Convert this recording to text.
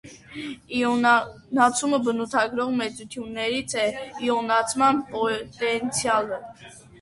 Իոնացումը բնութագրող մեծություններից է իոնացման պոտենցիալը։